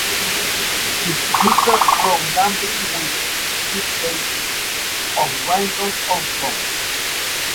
It differs from gambling, which is based on random outcomes.